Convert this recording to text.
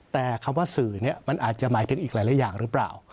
แต่คำว่าสื่อมันอาจจะหมายถึงอีกหลายอย่างหรือเปล่า